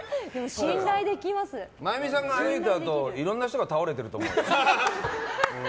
麻由美さんが歩いたあといろんな人が倒れてると思うよ。